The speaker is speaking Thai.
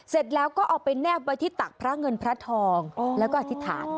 เสร็จแล้วก็เอาไปแนบไว้ที่ตักพระเงินพระทองแล้วก็อธิษฐาน